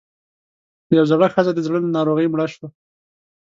يوه زړه ښځۀ د زړۀ له ناروغۍ مړه شوه